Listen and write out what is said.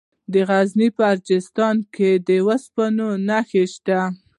د غزني په اجرستان کې د اوسپنې نښې شته.